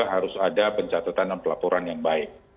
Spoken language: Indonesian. harus ada pencatatan dan pelaporan yang baik